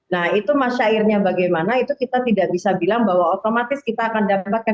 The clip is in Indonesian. nah itu masyairnya bagaimana itu kita tidak bisa bilang bahwa otomatis kita akan dapatkan